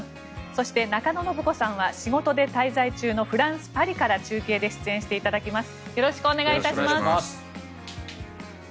そして、中野信子さんは仕事で滞在中のフランス・パリから中継で出演していただきます。